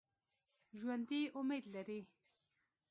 ژوندي امید لري